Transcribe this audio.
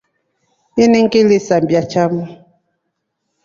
Ini ngilisambia chamu.